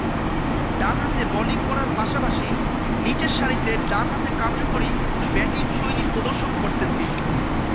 ডানহাতে বোলিং করার পাশাপাশি নিচেরসারিতে ডানহাতে কার্যকরী ব্যাটিংশৈলী প্রদর্শন করতেন তিনি।